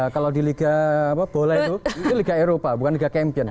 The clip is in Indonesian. kalau di liga bole itu liga eropa bukan liga kempien